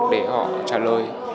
để họ trả lời